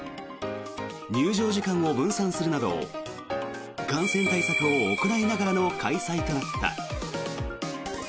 入場時間を分散するなど感染対策を行いながらの開催となった。